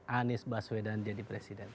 anies baswedan jadi presiden